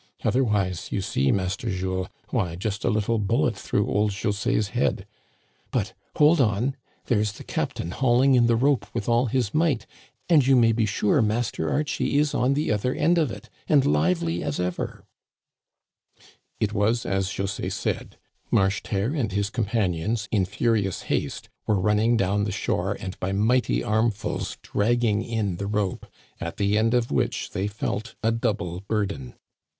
Otherwise, you see, Master Jules, why just a little bullet through old Jose's head ! But, hold on, there's the captain hauling in on the rope with all his might, and you may be sure Master Archie is on the other end of it and lively as ever/' Digitized by VjOOQIC THE BREAKING UP OF THE ICE. n It was as José said ; Marcheterre and his compan ions, in furious haste, were running down the shore and by mighty armfuls dragging in the rope, at the end of which they felt a double burden.